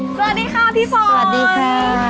สวัสดีค่ะพี่ฟอร์ดสวัสดีค่ะ